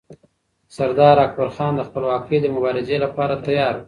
سردار اکبرخان د خپلواکۍ د مبارزې لپاره تیار و.